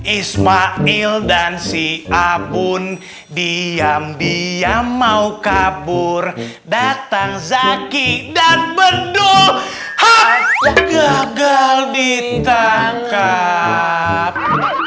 ismail dan si abun diam diam mau kabur datang zaki dan beduk kegel ditangkap